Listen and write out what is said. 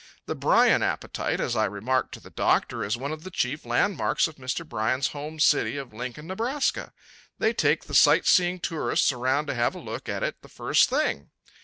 The Bryan appetite, as I remarked to the doctor, is one of the chief landmarks of Mr. Bryan's home city of Lincoln, Nebraska. They take the sight seeing tourists around to have a look at it, the first thing.